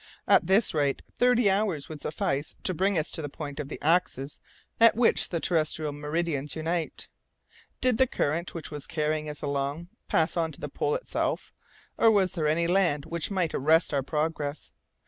At this rate, thirty hours would suffice to bring us to the point of the axis at which the terrestrial meridians unite. Did the current which was carrying us along pass on to the pole itself, or was there any land which might arrest our progress?